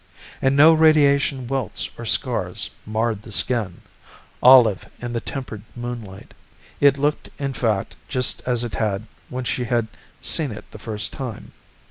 And no radiation welts or scars marred the skin, olive in the tempered moonlight. It looked, in fact, just as it had when she had seen it the first time.